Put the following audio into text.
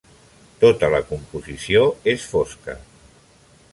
Tota la composició és fosca.